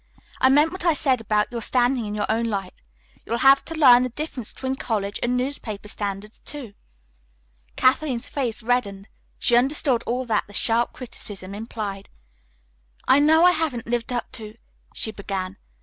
I meant what I said about your standing in your own light. You'll have to learn the difference between college and newspaper standards, too." Kathleen's face reddened. She understood all that the sharp criticism implied. "I know I haven't lived up to " she began.